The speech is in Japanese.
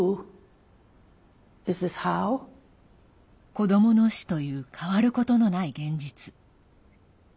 子どもの死という変わることのない現実。